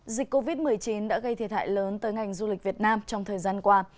dịch covid một mươi chín đã gây thiệt hại lớn tới ngành du lịch việt nam trong thời gian qua